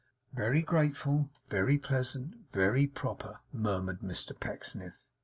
'Very grateful; very pleasant; very proper,' murmured Mr Pecksniff.